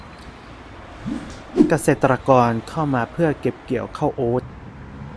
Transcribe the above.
เกษตรกรเข้ามาเพื่อเก็บเกี่ยวข้าวโอ้ต